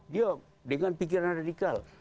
dia dengan pikiran radikal